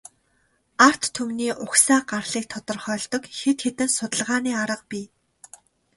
Ард түмний угсаа гарлыг тодорхойлдог хэд хэдэн судалгааны арга бий.